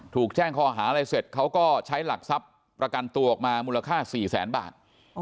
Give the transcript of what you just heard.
ถูกแจ้งข้อหาอะไรเสร็จเขาก็ใช้หลักทรัพย์ประกันตัวออกมามูลค่า๔แสนบาท